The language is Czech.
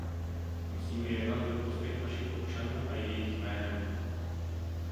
Musíme jednat ve prospěch našich občanů a jejich jménem.